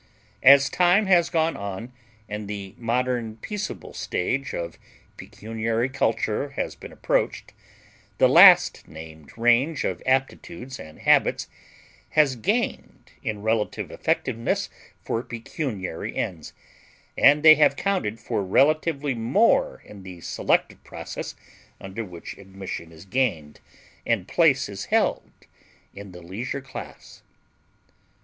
As time has gone on, and the modern peaceable stage of pecuniary culture has been approached, the last named range of aptitudes and habits has gained in relative effectiveness for pecuniary ends, and they have counted for relatively more in the selective process under which admission is gained and place is held in the leisure class.